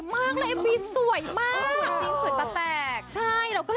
กับเพลงที่มีชื่อว่ากี่รอบก็ได้